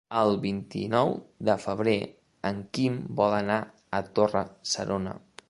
El vint-i-nou de febrer en Quim vol anar a Torre-serona.